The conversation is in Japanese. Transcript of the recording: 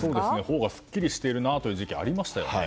ほほがすっきりしている時期がありましたよね。